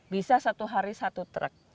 bisa satu hari satu truk